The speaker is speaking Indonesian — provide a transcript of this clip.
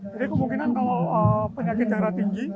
jadi kemungkinan kalau penyakit darah tinggi